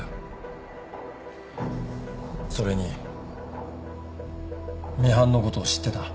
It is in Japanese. それにミハンのことを知ってた。